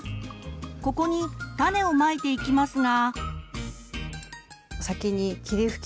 ここに種をまいていきますが。